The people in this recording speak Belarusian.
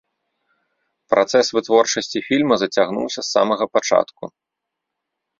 Працэс вытворчасці фільма зацягнуўся з самага пачатку.